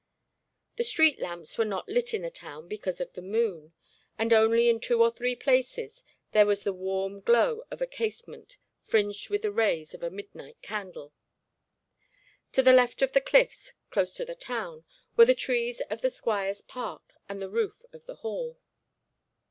The street lamps were not lit in the town because of the moon, and only in two or three places there was the warm glow of a casement fringed with the rays of a midnight candle. To the left of the cliffs, close to the town, were the trees of the squire's park and the roof of the Hall.